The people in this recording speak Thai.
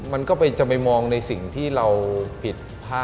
มันก็จะไปมองในสิ่งที่เราผิดพลาด